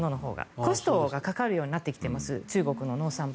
コストがかかるようになってきています。